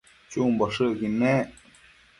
chumboshëcquid nec